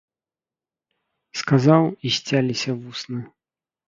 Сказаў, і сцяліся вусны.